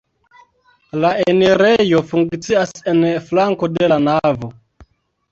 La enirejo funkcias en flanko de la navo.